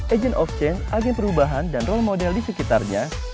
agent of change agen perubahan dan role model di sekitarnya